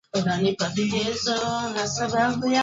Kutembea au kusafirishwa kwa wanyama